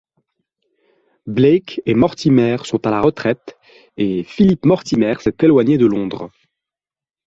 Blake et Mortimer sont à la retraite et Philip Mortimer s'est éloigné de Londres.